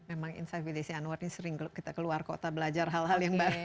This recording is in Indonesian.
memang insight with desi anwar ini sering kita keluar kota belajar hal hal yang baru